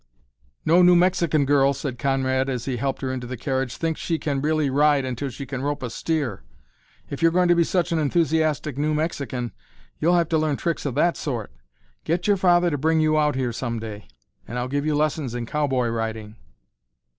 "No New Mexican girl," said Conrad as he helped her into the carriage, "thinks she can really ride until she can rope a steer. If you're going to be such an enthusiastic New Mexican you'll have to learn tricks of that sort. Get your father to bring you out here some day, and I'll give you lessons in cowboy riding."